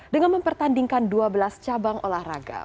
dengan mempertandingkan dua belas cabang olahraga